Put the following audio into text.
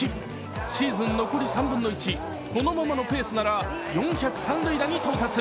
シーズンのこり３分の１、このままのペースなら四百三塁打に到達。